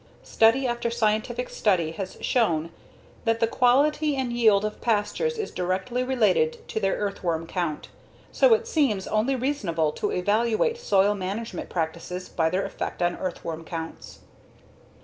Study after scientific study has shown that the quality and yield of pastures is directly related to their earthworm count. So it seems only reasonable to evaluate soil management practices by their effect on earthworm counts.